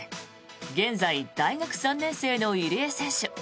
現在、大学３年生の入江選手。